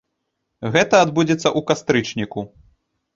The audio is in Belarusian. Гэта адбудзецца ў кастрычніку.